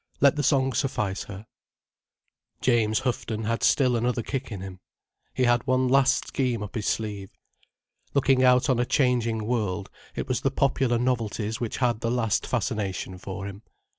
Let the song suffice her. James Houghton had still another kick in him. He had one last scheme up his sleeve. Looking out on a changing world, it was the popular novelties which had the last fascination for him.